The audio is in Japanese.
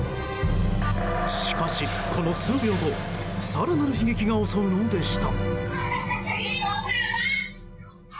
しかし、この数秒後更なる悲劇が襲うのでした。